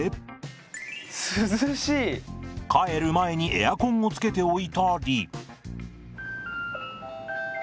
帰る前にエアコンをつけておいたり。